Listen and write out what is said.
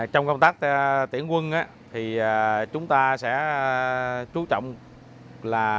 trong công tác tiển quân chúng ta sẽ chú trọng là